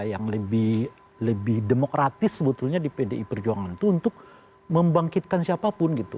yang lebih demokratis sebetulnya di pdi perjuangan itu untuk membangkitkan siapapun gitu